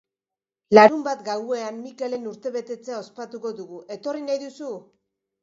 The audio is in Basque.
Larunbat gauean Mikelen urtebetetzea ospatuko dugu, etorri nahi duzu?